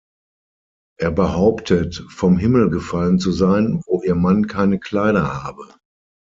Er behauptet, vom Himmel gefallen zu sein, wo ihr Mann keine Kleider habe.